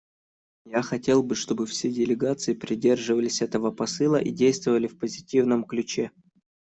Я хотел бы, чтобы все делегации придерживались этого посыла и действовали в позитивном ключе.